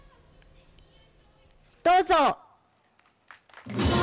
どうぞ。